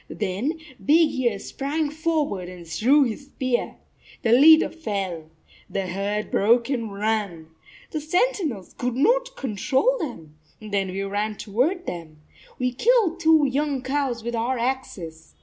Then Big Ear sprang forward and threw his spear. The leader fell. The herd broke and ran. The sen tinels could not control them. Then we ran toward them. We killed two young cows with our axes.